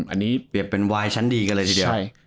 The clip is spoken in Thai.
อันนี้เปรียบเป็นวายชั้นดีกันเลยทีเดียว